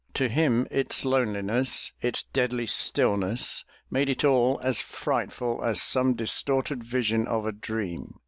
To him its loneliness, its deadly stillness, made it all as frightful as some distorted vision of a dream.